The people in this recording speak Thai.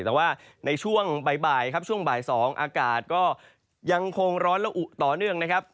แต่ว่าในช่วงบ่ายครับช่วงบ่าย๒อากาศก็ยังคงร้อนและอุต่อเนื่องนะครับ